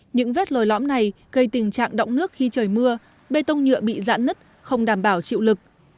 những vết lồi lõm này gây tình trạng động nước khi trời mưa bê tông nhựa bị dãn nứt không đảm bảo chịu lực